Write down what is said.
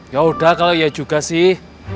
yaudah kalau ya juga sih